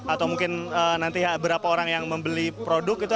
atau mungkin nanti berapa orang yang membeli produk itu